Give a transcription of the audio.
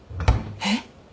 えっ？